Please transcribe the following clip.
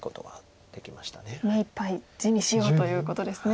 目いっぱい地にしようということですね。